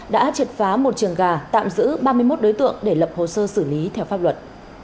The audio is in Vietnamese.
đã triệt phá một trường gà tạm giữ ba mươi một đối tượng để lập hồ sơ xử lý theo pháp luật